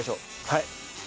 はい。